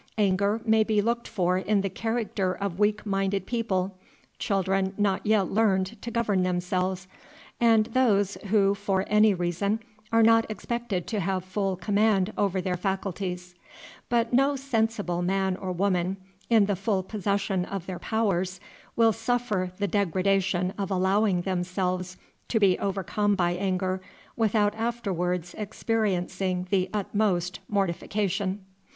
Anger may be looked for in the character of weak minded people, children not yet learned to govern themselves, and those who, for any reason, are not expected to have full command over their faculties; but no sensible man or woman in the full possession of their powers will suffer the degradation of allowing themselves to be overcome by anger without afterwards experiencing the utmost mortification.